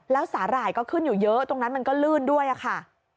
แล้วสาหร่ายก็ขึ้นอยู่เยอะตรงนั้นมันก็ลื่นด้วยค่ะ